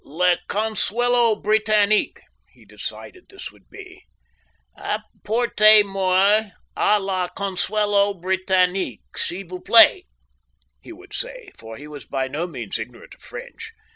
"Le consuelo Britannique," he decided this would be. "Apportez moi a le consuelo Britannique, s'il vous plait," he would say, for he was by no means ignorant of French.